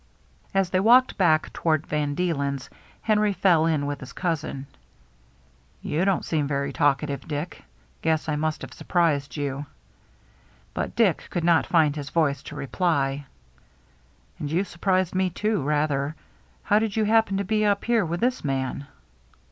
As they walked back toward Van Deelen's, Henry fell in with his cousin. " You don't seem very talkative, Dick. Guess I must have surprised you." But Dick could not find his voice to reply. " And you surprised me too, rather. How did you happen to be up here with this man?"